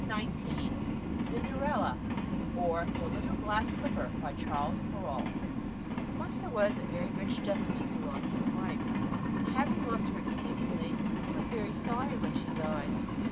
CHAPTER XIV CINDERELLA; OR, THE LITTLE GLASS SLIPPER There was once a very rich gentleman who lost his wife, and having loved her exceedingly, he was very sorry when she died.